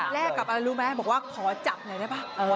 แลกกับอันรู้ไหมบอกว่าขอจับเลยได้ปะ